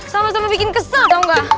sama sama bikin kesel tau gak